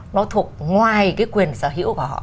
nó thuộc ngoài cái quyền sở hữu của họ